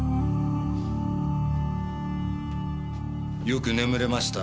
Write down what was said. よく眠れました？